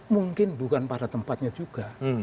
mungkin bukan pada tempatnya juga